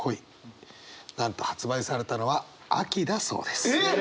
なんと発売されたのは秋だそうです。えっ！？